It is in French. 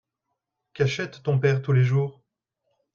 Qu'achète ton père tous les jours ?